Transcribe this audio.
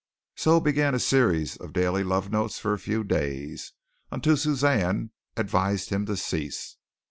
So began a series of daily love notes for a few days, until Suzanne advised him to cease.